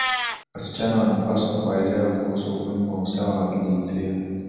wasichana wanapaswa waelewe kuhusu umuhimu wa usawa wa kijinsia